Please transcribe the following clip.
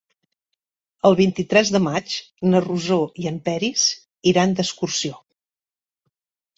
El vint-i-tres de maig na Rosó i en Peris iran d'excursió.